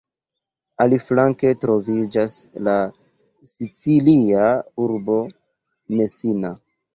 Aliflanke troviĝas la sicilia urbo Messina.